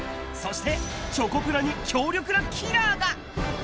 そして、チョコプラに強力なキラーが。